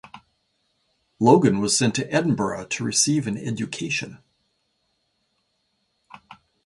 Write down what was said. Logan was sent to Edinburgh to receive an education.